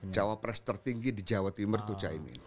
cawa press tertinggi di jawa timur itu cak imin